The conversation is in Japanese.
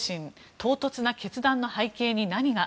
唐突な決断の背景に何が？